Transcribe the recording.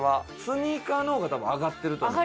スニーカーの方が多分上がってると思う。